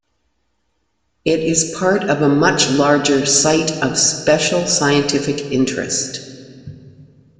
It is part of a much larger Site of Special Scientific Interest.